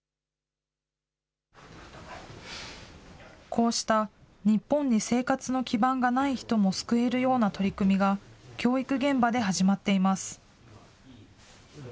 こうした日本に生活の基盤がない人も救えるような取り組みが教育現場で始まっています。